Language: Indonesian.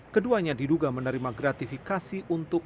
keduanya diduga menerima gratifikasi untuk